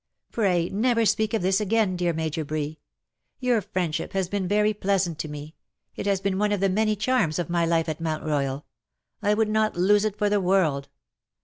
''Pray, never speak of this again, dear Major Bree. Your friendship has been very pleasant to me ; it has been one of the many charms of my life at Mount Boyal. I would not lose it for the world.